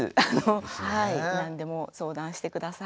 何でも相談して下さい。